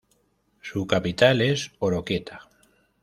Su capital es Oroquieta.